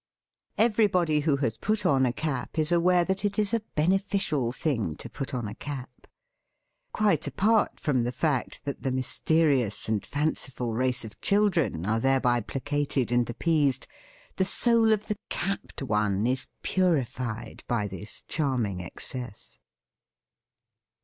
Everybody who has put on a cap is aware that it is a beneficial thing to put on a cap. Quite apart from the fact that the mysterious and fanciful race of children are thereby placated and appeased, the soul of the capped one is purified by this charming excess.